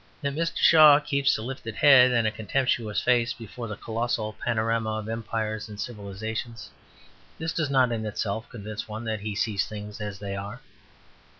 That Mr. Shaw keeps a lifted head and a contemptuous face before the colossal panorama of empires and civilizations, this does not in itself convince one that he sees things as they are.